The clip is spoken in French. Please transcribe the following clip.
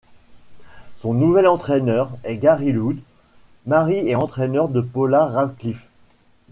Son nouvel entraîneur est Gary Lough, mari et entraîneur de Paula Radcliffe.